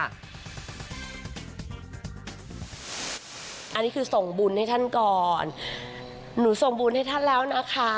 อันนี้คือส่งบุญให้ท่านก่อนหนูส่งบุญให้ท่านแล้วนะคะ